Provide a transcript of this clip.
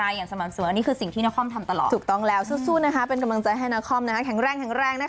โอ้โหเขาติดแบบติดนินลามาก